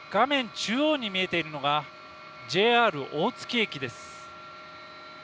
中央に見えているのが、ＪＲ大月駅です。